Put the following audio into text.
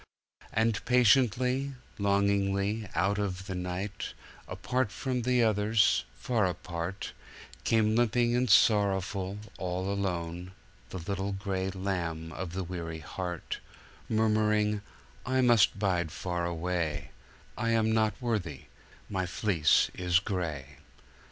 And patiently, longingly, out of the night, apart from the others, far apart, Came limping and sorrowful, all alone, the little gray lamb of the weary heart, Murmuring, "I must bide far away: I am not worthy my fleece is gray."